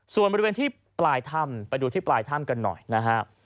ส่วนบริเวณที่ปลายถ้ำไปดูที่ปลายถ้ำกันหน่อยนะฮะ